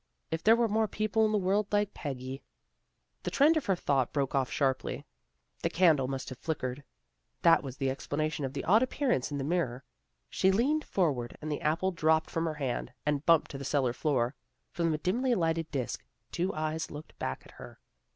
If there were more people in the world like Peggy The trend of her thought broke off sharply. The candle must have nickered. That was the explanation of the odd appearance in the A HALLOWE'EN PARTY 83 mirror. She leaned forward and the apple dropped from her hand, and bumped to the cellar floor. From the dimly lighted disk, two eyes looked back at her.